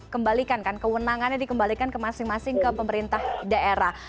kembalikan kan kewenangannya dikembalikan ke masing masing ke pemerintah daerah